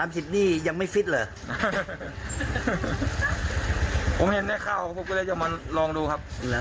พี่มาซื้อมา